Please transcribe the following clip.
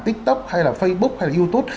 tiktok hay là facebook hay là youtube